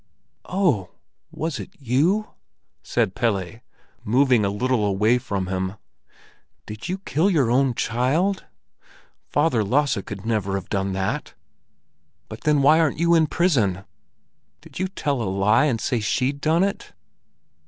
"Oh, was it you?" said Pelle, moving a little away from him. "Did you kill your own child? Father Lasse could never have done that! But then why aren't you in prison? Did you tell a lie, and say she'd done it?"